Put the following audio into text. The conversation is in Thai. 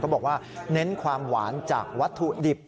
บอกว่าเน้นความหวานจากวัตถุดิบ